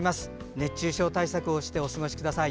熱中症対策をしてお過ごしください。